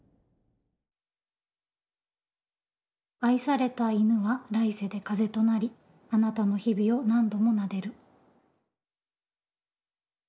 「愛された犬は来世で風となりあなたの日々を何度も撫でる」。